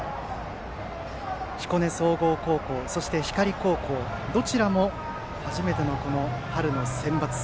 彦根総合高校、そして光高校どちらも初めての春のセンバツ。